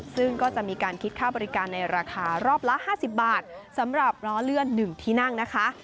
ซึ่งก็จะมีการคิดค่าบริการในราคารอบละ๕๐บาทสำหรับล้อเลื่อน๑ที่นั่งนะคะ